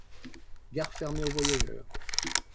Gare fermée aux voyageurs.